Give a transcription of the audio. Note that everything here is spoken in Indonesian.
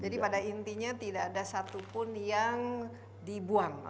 jadi pada intinya tidak ada satupun yang dibuang